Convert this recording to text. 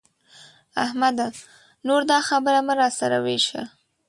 احمده! نور دا خبره مه را سره ورېشه.